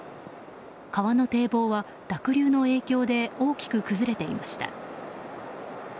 川の堤防は濁流の影響で大きく崩れていました。